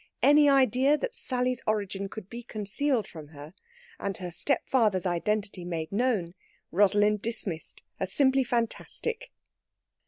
Any idea that Sally's origin could be concealed from her, and her stepfather's identity made known, Rosalind dismissed as simply fantastic.